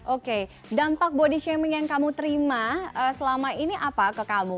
oke dampak body shaming yang kamu terima selama ini apa ke kamu